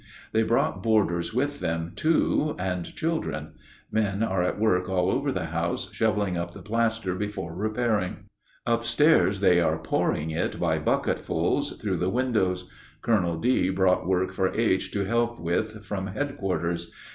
They brought boarders with them too, and children. Men are at work all over the house shoveling up the plaster before repairing. Up stairs they are pouring it by bucketfuls through the windows. Colonel D. brought work for H. to help with from headquarters.